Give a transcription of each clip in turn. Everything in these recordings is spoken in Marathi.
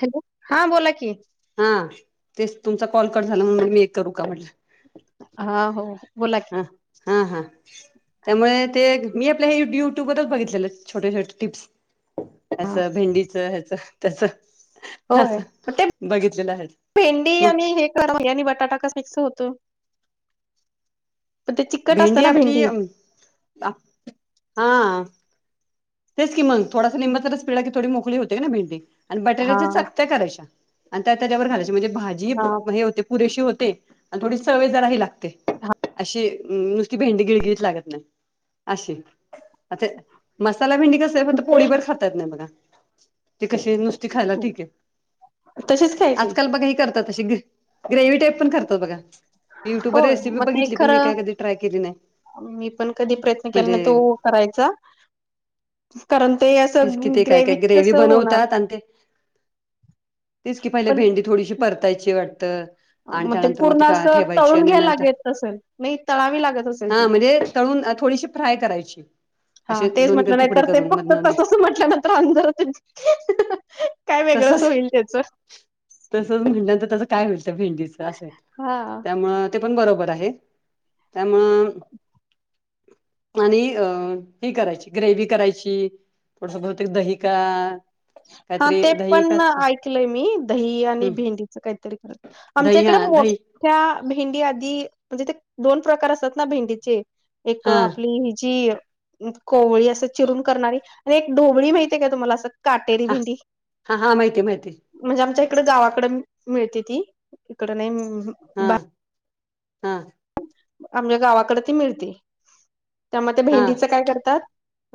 हॅलो! हा बोला की हा तेच तुमचा कॉल कट झाला म्हणून मी एक करू का? म्हटलं हा, हो बोला की हा हा हा त्यामुळे ते मी आपल्या हे युट्यूबवरचं बघितलेलं छोट्या छोट्या टिप्स हा असं भेंडीचं ह्याचं तस होय मग ते भेंडी मग आणि हे आणि बटाटा कस मिक्स होतो पण ते चिकट असत ना भेंडी? हा तेच की मग थोडासा लिंबाचा रस पिळला की थोडी मोकळी होते ना भेंडी आणि हा बटाटाच्या चकत्या करायच्या आणि त्या त्याच्यावर घालायची म्हणजे भाजी हा हे होते पुरेशी होते आणि थोडी सवे जरा ही लागते अशी नुसती भेंडी गिळगिलीत लागत नाय. अशी आता त्याला भेंडी कस फक्त पोळीबर खाता येत नाय बघा ती कशी नुस ती खायला ठीकय. तशीच खायची आजकाल बघा इथं त्यात अस ग्रे ग्रेवी टाईप पण करतात बघा युटूब होय रेसिपी मग ते बघितली पण मी काय खरं कधी ट्राय केली नाय मी पण कधी प्रयत्न केला नाही. तो करायचा कारण ते तेच कि असं ते काय काय ग्रेवित ग्रेव्ही कसं होणार? बनवतात आणि ते तेच की पहिल्या पण भेंडी थोडीशी परतायची वाटत आणि ते त्यानंतर मग पूर्ण त असं ठेवायची तळून आणि घ्यायला नंतर, लागत असेल नाही तळावी लागत असेल हा ती म्हणजे तळून थोडीशी फ्राय करायची. हा असे तेच दोन्हीकडे म्हटलं नाही तुकडे तर, ते करून फक्त मधन तसच म्हटल्या नंतर आणि जरा ते. काय वेगळच होईल त्याच. तसच म्हणल् तर त्याचं काय होईल भेंडीच अस हाय, हा त्यामुळ ते पण बरोबर आहे, त्यामूळ आणि अ, ही करायची. ग्रेवी करायची, थोडस बहुतेक दही खा हा ते पण ऐकलय मी दही आणि हम् भेंडीच काहीतरी कर. दही हा, दही. त्या भेंडी आधी, म्हणजे ते दोन प्रकार असतात ना भेंडीचे. एक हा आपली हेजी कोवळी असं चिरून करणारी. आणि एक ढोबळी माहितीय का तुम्हाला, असं काटेरी हा भिंडी. हा हा माहिती माहिती म्हणजे आमच्या इकड गावाकडे मिळते ती, इकड नाही हा बा हा. आमच्या गावाकडे ती मिळते, त्यामुळे त्या हा भेंडीच काय करतात.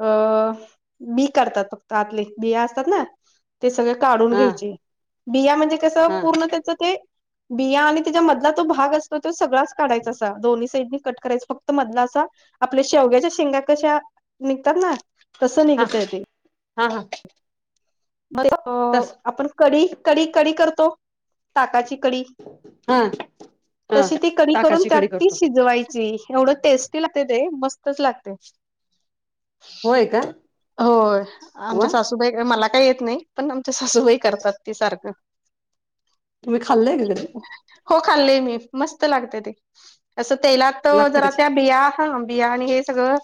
अ बी काढतात फक्त आतले, बी असतात ना. ते सगळ काढून हा घ्यायचे, बिया म्हणजे कसं हा पूर्ण त्याचं ते बिया आणि त्याच्या मधला तो भाग असतो तो सगळाच काढायचा असतो. दोनहींसाईड कट करायच फक्त मधला असा, आपल्या शेवग्याच्या शेंगा कशा निघतात ना. तसं निघतय ते. हा-हा. मला अ आपण कडी-कडी-कडी करतो, ताकाची कडी. हा हा तशी ती कडी करून ताकाची कडी त्यात ती करतो शिजवायची एवढं टेस्टी लागते ते, मस्तच लागते. होय का. होय वा आमच्या सासूबाई, मला काही येत नाही. पण आमच्या सासूबाई करतात ती सारखं. तुम्ही खाल्लय का कधी हो खाल्ली मी, मस्त लागते ते, असं तेलात. त लागतं जरा कच त्या बिया हा बिया आणि हे सगळं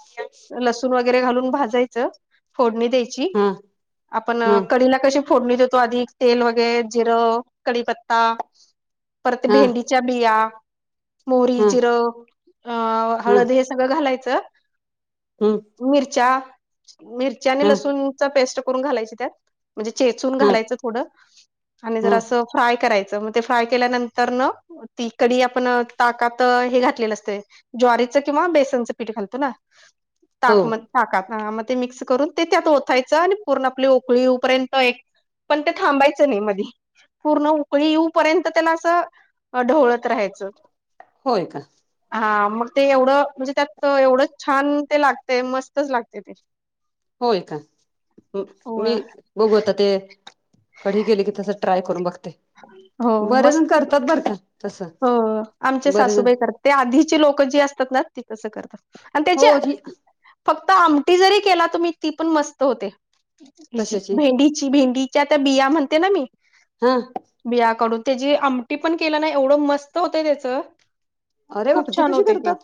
लसूण वगैरे घालून भाजायचं. च फोडणी द्यायची हा आपण हा कडीला कशी फोडणी देतो आधी तेल वगैरे जिरं, कडीपत्ता परत हा हा भेंडीच्या बिया. मोहरी, हा जिरं अ हळद हे सगळं घालायचं. हम्. मिरच्या, मिरच्या आणि लसूणचा पेस्ट करून घालायची त्यात. म्हणजे चेचून हा घालायचं थोडं, आणि जर हा असं फ्राय करायचं म्हज ते फ्राय केल्यानंतर न. ती कडी, आपण ताकात हे घातलेलं असते, ज्वारीचं किंवा बेसनचं पीठ घालतो ना. हो ताक मत ताकात हा म. ते मिक्स करून ते त्यात ओथयचं, आणि पूर्ण आपले उकळी येऊपर्यंत एक पण ते थांबायचं नाही, मधी. पूर्ण उकळी येऊ पर्यंत त्यान असं, ढवळत राहायचं. होय का. हा मग ते एवढं, म्हणजे त्यात एवढं छान ते लागतेय मस्तच लागते ते. होय का, हो मी बघू आता ते. कडी केली की तस ट्राय करून बघते, हो बरे जण मस्त करतात बर का. तसं हो आमचे बरे जण सासूबाई कर ते आधीचे लोक जे असतात ना, ते तसं करतात अन त्याच्या हो ती फक्त आमटी जरी केला, तुम्ही ती पण मस्त होते, हिची कशाची भेंडीची, भेंडी च्या त्यां बिया म्हणते, ना मी. हं. बियाकाडून, त्याची आमटी पण केलं ना, एवढं मस्त होतंय त्याचं. अरे बाप खूप ती छान कशी होते ते, करतात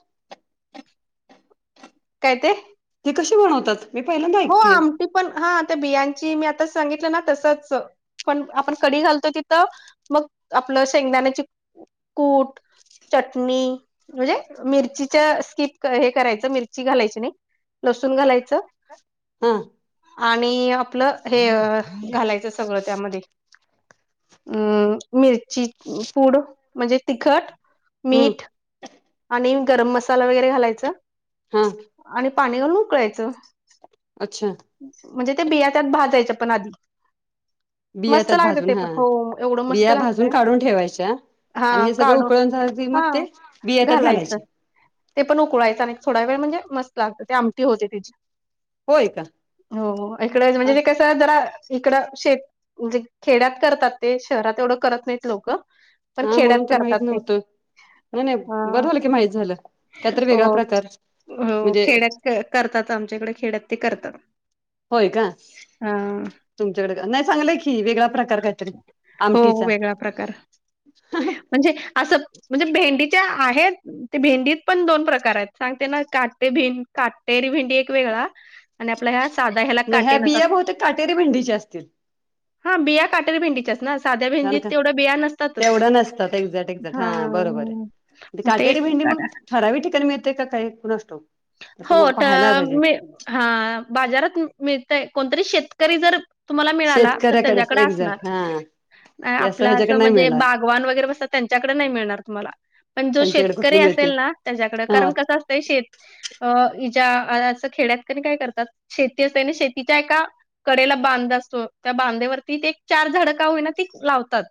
काय ते? ते कशी बनवतात? मी पहिल्यांदा हो ऐकतेय आमटी पण, हां त्या बियांची, मी आताच सांगितलं ना तसंच पण आपण कढी घालतो तिथं, मग आपलं शेंगदाण्याचे कूट चटणी, म्हणजे मिरचीच्या, स्कीप क् हे करायचं, मिरची घालायची नही. लसूण घालायचं. हं. आणि आपलं हे घालायचं सगळं त्यामध्ये. अम् मिरची पूड, म्हणजे तिखट, हम्म मीठ. आणि गरम मसाला वगैरे घालायच. हं. आणि पाणी घालून उकळायचं. अच्छा. म्हणजे ते बिया त्यात भाजायच्या, पण आधी. बिया मस्त त्यात लागत भाजून ते पण, हा हो एवढं मस्त बिया भाजून लागतय. काढून ठेवायच्या आणि हां हे सगळं काढून, उकळून झालं की मग हां. ते बिया त्यात घालायचं, घालायचे ते पण उकळावायचं आणि थोडा वेळ, म्हणजे मस्त लागत, ते आमटी होते, त्याची. होय का हो इकडच, अ, म्हणजे ते कस, जरा इकडं शे म्हणजे खेड्यात करतात, ते शहरात एवढं करत नाहीत, लोकं. हं, म्हणून तर माहित नव्हतं. नही नही, अ बरं झालं की माहित झालं, कायतरी वेगळा प्रकार, म्हणजे क-करतात आमच्याकडे, खेड्यात ते करतात. होय का, अ तुमच्याकड, नाही चांगलंय की, वेगळा प्रकार का हो, वेगळा प्रकार. म्हणजे असं, म्हणजे भेंडीच्या आहेत. ते भेंडीत पण दोन प्रकार येत, सांगते ना, काट भें, काटेरी भेंडी एक वेगळा आणि आपल्या ह्या, साधा ह्या म ह्या बिया बहुतेक, काटेरी भेंडीच्या असतील. हां, बिया काटेरी भिंडीच्याचस ना. साध्या कारण भेंडीत, का तेवढ्या बिया नसतातच, तेवढं नसतात एक्झॅक्ट एक्झॅक्ट हा हां, म ते ठरावीक ठिकाणी मिळेतय का काई, कुणास ठाऊक. असं हो मग ट, पाहायला पाहिजे. मी हां, बाजारात मिळतय, कोणतरी शेतकरी जर तुम्हाला मिळाला, तर शेतकऱ्याकडेच त्याच्याकड असणार. एक्झॅक्ट हा नाय ते आपलं असं, ह्याच्याकडे नाही म्हणजे मिळणार बागवान वगैरे बसतात, त्यांच्याकड नाही मिळणार तुम्हाला. पण जो त्यांच्याकडे शेतकरी कुठली मिळते असेल ना, त्याच्याकडं, हा कारण कसं असतंय, शेत अं, इच्या अं असं खेड्यात क् नई काय करतात, शेती असते ना, शेतीच्या एका कडेेला बांध असतो, त्या बांधेवरती, ते एक चार झाडं का होईना, ती लावतात.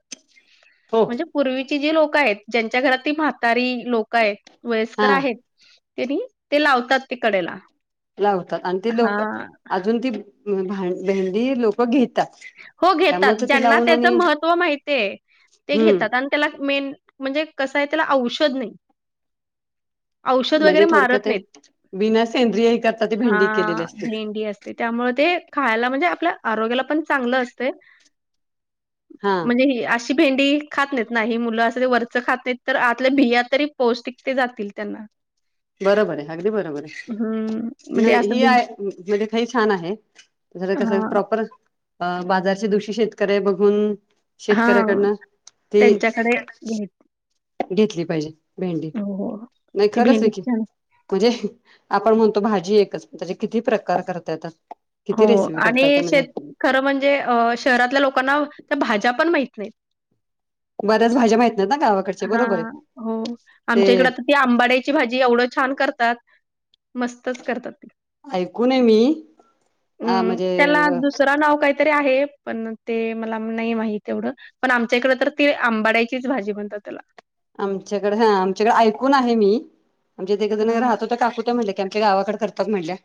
हो म्हणजे पूर्वीची जी लोक आहेत, ज्यांच्या घरात ती म्हातारी लोक काय हा वयस्कर आहेत, त्यांनी ते लावतात, ते कडेला. लावतात आणि ते हा लोकं अजून ती भ भा भेंडी लोकं घेतात. हो घेतात त्यामुळे तर ते ज्यांना लावून त्याच आणि महत्त्व माहितीय ते हम्म घेतात आन. त्याला मेन म्हणजे कस आहे त्याला औषध नाही. [inaudible] औषध वगैरे म्हणजे थोडक्या मारत ते नाहीत. बिना सेंद्रियही खताची भेंडी केलेली असते. ते त्यामुळे ते खायला म्हणजे आपल्या आरोग्याला पण चांगलं असतय. हा म्हणजे हे आसी. भेंडी खात नाहीत ना ही मुलं अस वरच खात नाहीत तर आतल्या बिया तरी पौष्टिक ते जातील त्यांना. बरोबर आहे अगदी बरोबर आहे. हम्म म्हणजे नाही असं ही बी आहे म्हणजे काही छान आहे कसं हां प्रॉपर. अ बाजारच्या दिवशी शेतकऱी आहे बघून हां शेतकऱ्याकडनं ते. त्यांच्याकडे घेत घेतली पाहिजे भेंडी हो, हो. नाही ती खरंच आहे भेंडी की. छान म्हणजे आपण म्हणतो भाजी एकच त्याचे किती प्रकार करता येतात. हो किती रेसिपी करतात आणि म्हणजे शेत खरं म्हणजे अ शहरातल्या लोकांना त्या भाज्या पण माहित नाहीत. बऱ्याच भाज्या माहित ना गावा''--'' हा हो, आमच्या इकड आता. ती आंबाड्याची भाजी एवढं छान करतात मस्तच करतात ते. ऐकूून आय मी आ म्हणजे व. ता नाव काय. तरी आहे पण ते मला नाही माहित एवढं. पण आमच्या इकडे तर ती आंबाड्याचीच भाजी म्हणतात त्याला. आमच्याकडे हा आमच्याकडे ऐकून आहे मी आमच्या ते ऐक जण हां. राहत होत्या काकू त्या म्हटला की. त्या आमच्या गावाकडे करतात म्हटल्या.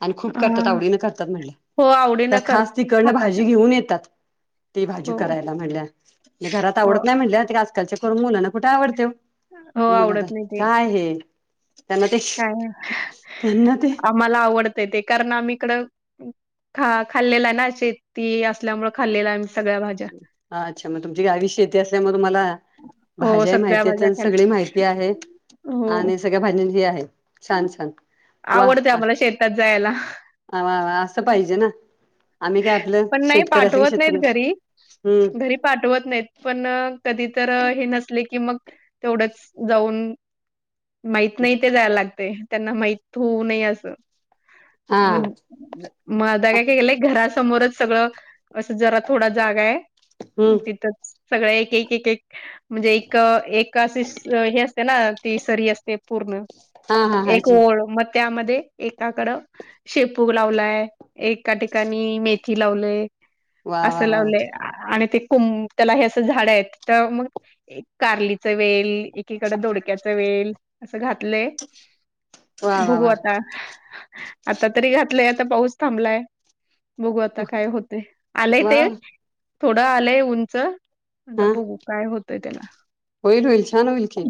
आणि खूप अ, करतात आवडीनं करतात म्हणले हो त्या आवडीनं कर खास तिकडनं खातात भाजी त्याला. घेऊन येतात. ती भाजी हो. करायला म्हणल्या घरात अ, आवडत नाही म्हटल्या ते आजकालच्य तरुण मुलांना कुठे आवडतय. हो मुल तर आवडत नाही ते. काय हे त्यांना ते त्यांना ते. मला आवडतय ते कारण आम्ही इकडं. खा खाल्लेला आहे ना शेती असल्यामुळे खाल्लेला आहे सगळ्या भाज्या. अच्छा मग तुमची गावी शेती असल्या मुळे तुमाला हो भाज्याही सगळ्या माहितीयत भाज्या आणि. खायला सगळी माहिती आहे हो आणि सगळ्या भाजी ही आहे. छान छान वा आवडते आ आम्हाला शेतात जायला वा वा वा असं पाहिजे ना. आम्ही काय आपलं पण नाही शेतकऱ असं कि शेतकरी हम्म. तरी पाठवत नाहीत पण कधी तर हे नसले की मग. तेवढंच जाऊन. माहत नाही ते जायला लागते त्यांना माहित होऊ नाही असं हा मग. म आता काय केलंय घरासमोरच सगळं असं जरा थोडा जागा आहे. हम्म तिथंच सगळ एक एक एक एक म्हणजे एक एक. कशी हे असते ना ती सरी असते पूर्ण. हा हा एक हाजी ओळ मग त्यामध्ये एकाकडं. शेपू लावलाय एका ठिकाणी मेथी लावले वा असं वा वा वा लावले. आणि ते कुम त्याला हे असं झाड आहेत तर मग कारलीच वेल. एकीकडे दोडक्याचा वेल असं घातलं. वा बघू वा आता आता तरी घातलंय आता पाऊस थांबलाय. बघू आता वा काय होते आलंय वा ते थोड आलंय उंच. आता हा बघू काय होतंय त्याला. होईल होईल छान होईल की.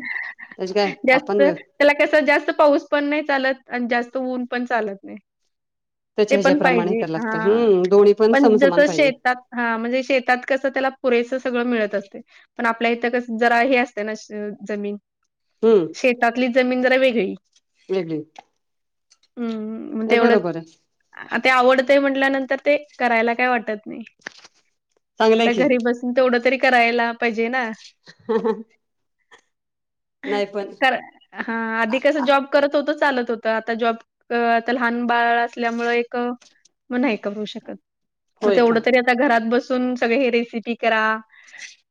त्याची काय आपण जास्त वेळ त्याला कस जास्त पाऊस पण नाही चालत, आणि जास्त ऊन पण चालत नाही. ते त्याच्या पण ह्याच्याप्रमाणे पाहिजे करायला लागतं हा, हम्म दोन्ही पण समसमान जस पाहिजे शेतात हा म्हणजे शेतात कसं त्याला पुरेसं सगळं मिळत असते. पण आपल्या इथं कच जरा हे असत ना जमीन हम्म. शेतातली जमीन जरा वेगळी लली [unintelligible] हम्म, हम म तेवढं आहे आहा ते आवडतय म्हटल्यानंतर ते करायला काय वाटत नाही. चांगलंय ता की घरी बसून तेवढं तरी करायला पाहिजे ना. हं हं. कर हां आधी कस जॉब करत होत चालत होत. आता जॉब त आता लहान बाळ असल्यामुळे एक म नाही कमू शकत म होय का तेवढं तरी ता घरात बसून सगळे हे रेसिपी करा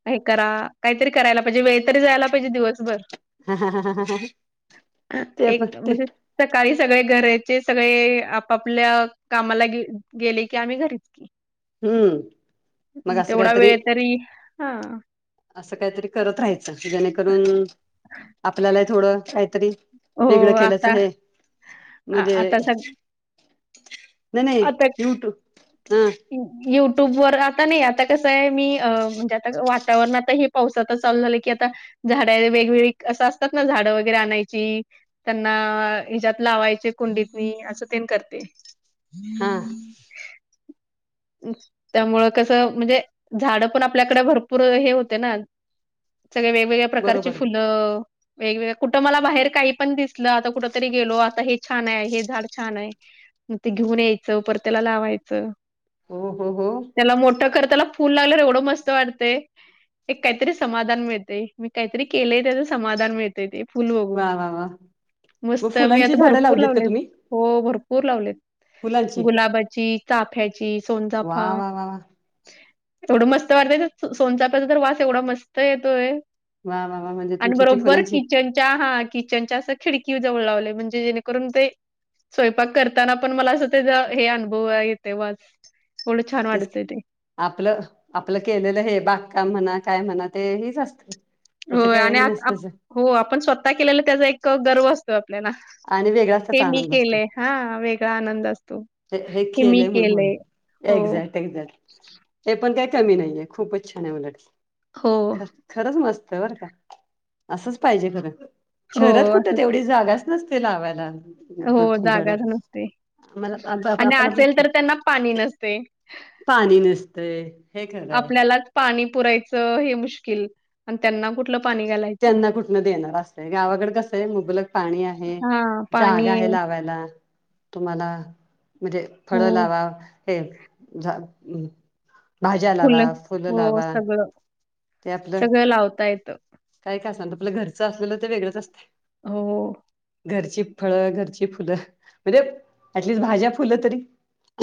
आहे करा काहीतरी करायला पाहिजे वेळ तरी जायला पाहिजे दिवसभर. ह, ह, ह, ह, ह, ह. अ एक म्हणजे सकाळी सगळे घराचे सगळे आपापल्या कामाला गे गेले की आम्ही घरी. हम्म, मग असं काहीतरी री हा. असं काहीतरी करत राहायचं, जेणेकरून आपल्याला थोडं काहीतरी हो वेगळं केल्याच आता हे आ म्हजे आता सग नाय नाय युट्यू ह युट्यूब वर आता नाही आता कसं आहे मी अ म्हणजे आता वातावरण आता हे पाऊस आता चालू झालं की आता झाड वेगवेळी असं असतात ना झाडं वगैरे आणायची त्यांना हेज्यात लावायचे कुंडीतनी असं तेन करते. हा. त्यामूळं कसं म्हणजे झाड पण आपल्याकडं भरपूर हे होते ना. सगळे वेगवेगळ्या बरोबर प्रकारचे आहे फुलं. वेगवेगळ कुठं मला बाहेर काही पण दिसलं, आता कुठ तरी गेलो आता हे छान आहे हे झाड छान आहे. मग ते घेऊन यायचं पर त्याला लावायचं. हो हो हो. त्याला मोठं करताला फूल लागलं एवढं मस्त वाटतंय. एक काहीतरी समाधान मिळतेय, मी काहीतरी केलेय त्याच समाधान मिळ ते फुल बघू, वा वा वा मग मस्त मी फुलांची आता झाडं भरपूर लावलीत का लावले. तुम्ही हो भरपूर लावलेत फुलांची गुलाबाची चाफ्याची वा सोनचाफा. वा वा वा एवढं मस्त वाटतय न, सोनचाफ्याचा तर वास एवढा मस्त येतोय. वा वा वा म्हणजे आणि तुमची ती बरोबर फुलांची किचनच्या हा कि चनच्या अस खिडकी जवळ लावले म्हणजे जेणेकरून ते, स्वयंपाक करताना पण मला आस त्याचा हे अनुभव येते वास, एवढं छान तेच वाटतय ते. आपलं, आपलं केलेलं हे बागकाम म्हणा, काय म्हणा, ते हेच आसत. होय आणि आ आप हो आपण स्वतः केलेला त्याचा एक गर्व असतो आपल्याला. आणि वेगळाच हे त्याचा मी आनंद असतो केलंय, हा वेगळा आनंद असतो हे मी केलंय. हो. एक्झॅक्ट एक्झॅक्ट हे पण काही कमी नाहीये खूपच छान आहे उलट हो, हो, ख खरंच मस्त हाय बर का असंच पाहिजे खरं हो. शहरात कुठं असंच तेवढी जागाच नसते लावायला प हो, फुलझाड जागाच नसते आम्हाला आपलं आणि आपलं असेल फुल तर त्यांना पाणी नसते. पाणी नसतय आपल्यालाच पाणी पुरायचं हे मुश्किल आणि त्यांना कुठलं पाणी घालायचं. त्यांना कुठन देणार असतय गावाकड कसं आहे मुबलक पाणी आहे हां, पाणी जागा आहे लावायला तुम्हाला म्हणजे फळ हो, लावा हे झा भाज्या लावा, फुलं हो, लावा सगळं, सगळं लावता येतं काही का असणा आपलं घरचं असलेलं ते वेगळंच असतंय हो घरची फळं घरची फुलं म्हणजे ऍटलिस्ट भाज्या फुलं तरी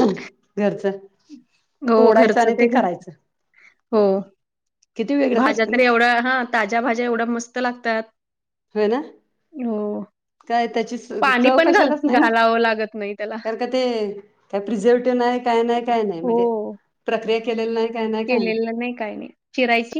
घरचं हो, तोडायचं घरचं आणि ते घर करायचं हो किती वेगळंच भाज्या असतं ना तर ते एवढं हा ताज्या भाज्या एवढ्या मस्त लागतात होय ना हो. काय त्याची पाणी चव पण घाल कशालाच नाही ना घालावं लागत नाही त्याला. कारण का ते का प्रिझर्व्हटिव नाही काय नाही काय नाही म्हणजे हो. प्रक्रिया केलेल नाही काय नाही काय नाही केलेलं नाही काय नाही चिरायची